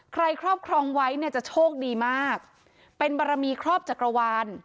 ครอบครองไว้เนี่ยจะโชคดีมากเป็นบารมีครอบจักรวาล